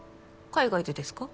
海外でですか？